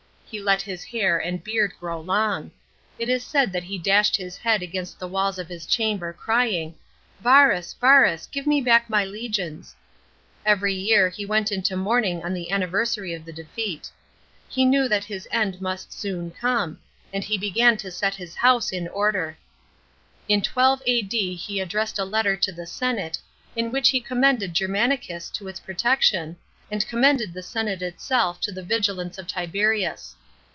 He let his hair and beard grow long. It is said that he dashed his head against the walls of his chamber, crying, " Varus, Varus, give me back my legions !" Every year he went into mourning on the 138 WINNING AND LOSING OF GEKMANY. CHAP. ix. anniversary of the defeat. He knew that his end must sonn come, and he began to set his house in order. In 12 A.D. he addressed a letter to the senate, in which lie commended Germanicus to its protection, and commended the senate itself to the vigilance of Tiberius.